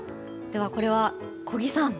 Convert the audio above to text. これは、小木さん。